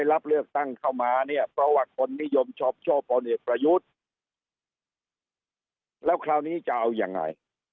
แล้วคราวนี้จะเอายังไง